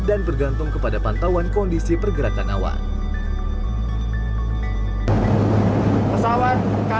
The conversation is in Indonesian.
dan bergantung kepada pantauan kondisi cuaca dan kondisi cuaca